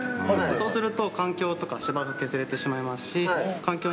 そうすると環境とか芝生削れてしまいますし。